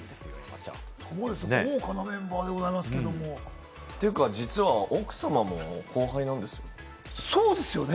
豪華なメンバーでございますけれども。というか、実は奥様も後輩なんです。